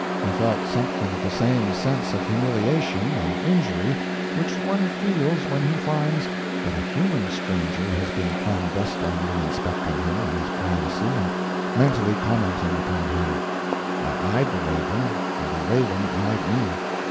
I felt something of the same sense of humiliation and injury which one feels when he finds that a human stranger has been clandestinely inspecting him in his privacy and mentally commenting upon him. I eyed the raven, and the raven eyed me.